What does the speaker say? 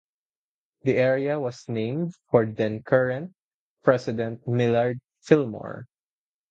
The area was named for then current president Millard Fillmore.